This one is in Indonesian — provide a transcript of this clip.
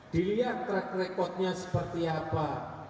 dilihat track recordnya seperti apa